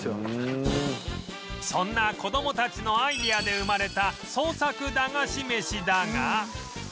そんな子どもたちのアイデアで生まれた創作駄菓子メシだが